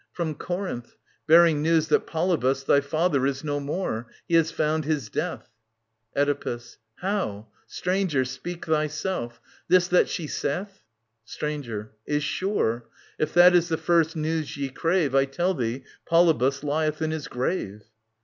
From Corinth ; bearing news that Polybus Thy father is no more. He has found his death. Oedipus. How ?— Stranger, speak thyself. This that she saith ... Stranger. Is sure. If that is the first news ye crave, 1 tell thee, Polybus lieth in his grave.